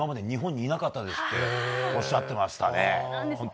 日本にいなかったとおっしゃっていました。